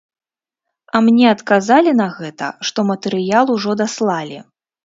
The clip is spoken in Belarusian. А мне адказалі на гэта, што матэрыял ужо даслалі.